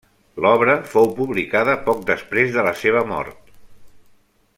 L'obra fou publicada poc després de la seva mort.